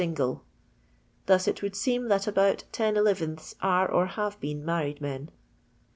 Thus it would seem, that about ten elevenths are or have been married men.